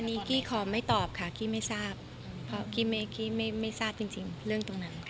อันนี้กี้ขอไม่ตอบค่ะกี้ไม่ทราบเพราะกี้ไม่ทราบจริงเรื่องตรงไหน